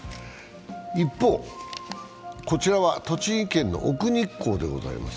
一方、こちらは栃木県の奥日光でございます。